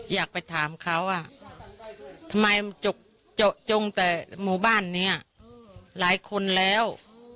อยากไปถามเขาว่าทำไมมันเจาะจงแต่หมู่บ้านนี้หลายคนแล้ว